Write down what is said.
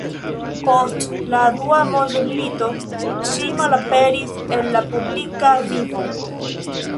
Post la dua mondmilito ŝi malaperis el la publika vivo.